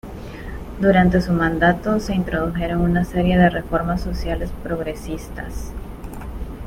Durante su mandato, se introdujeron una serie de reformas sociales progresistas.